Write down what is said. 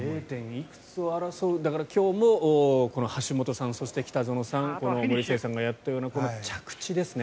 ０．いくつを争う今日も橋本さん、そして北園さん森末さんがやったようなこの着地ですね。